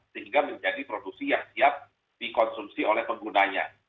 sehingga menjadi produksi yang siap dikonsumsi oleh penggunanya